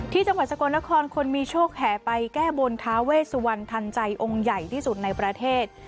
จังหวัดสกลนครคนมีโชคแห่ไปแก้บนท้าเวสวันทันใจองค์ใหญ่ที่สุดในประเทศ